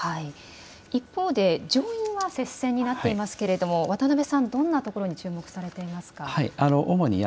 一方で上院は接戦になっていますが、渡辺さん、どんな所に注目されていますか。